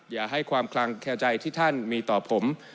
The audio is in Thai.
อย่าให้ความคลังแคร์ใจที่ท่านมีต่อผม